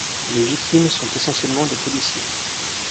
Les victimes sont essentiellement des policiers.